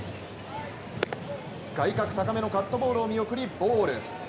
外角高めのカットボールを見送りボール。